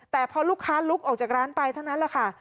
แต่พอลูกค้าลุกออกจากร้านไปเท่านั้นแหละค่ะ